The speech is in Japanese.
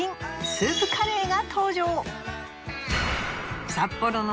スープカレーが登場！